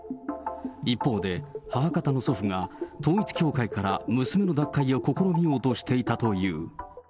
一方で、母方の祖父が、統一教会から娘の脱会を試みようとしていたという。